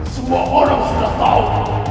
semua orang sudah tahu